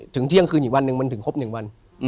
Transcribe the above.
ถึงเที่ยงคืนอีกวันมันถึงครบ๑วัน